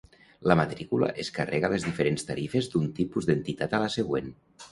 La matrícula es carrega a les diferents tarifes d'un tipus d'entitat a la següent.